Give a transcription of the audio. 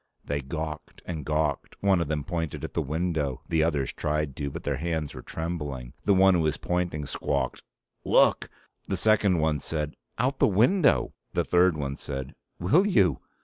They gawked and gawked. One of them pointed at the window. The others tried to, but their hands were trembling. The one who was pointing squawked: "Look!" The second one said, "Out the window!" The third one said, "Will you!"